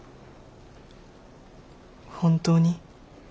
本当に？